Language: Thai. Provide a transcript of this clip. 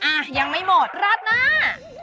อ่ะยังไม่หมดราดหน้า